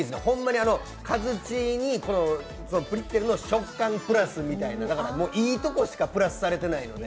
カズチーにプレッツェルの食感プラスみたいなもういいとこしかプラスされてないので。